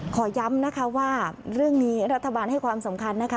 ขอย้ำนะคะว่าเรื่องนี้รัฐบาลให้ความสำคัญนะคะ